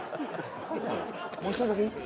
もう一人だけいい？